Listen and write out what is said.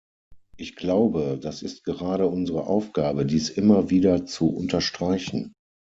Ich glaube, das ist gerade unsere Aufgabe, dies immer wieder zu unterstreichen.